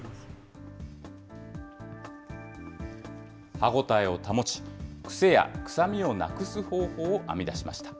歯応えを保ち、癖や臭みをなくす方法を編み出しました。